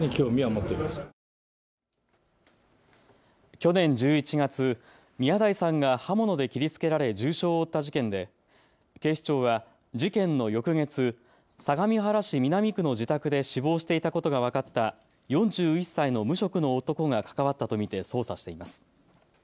去年１１月、宮台さんが刃物で切りつけられ重傷を負った事件で警視庁は事件の翌月、相模原市南区の自宅で死亡していたことが分かった４１歳の無職の男が関わったと見て捜査しています。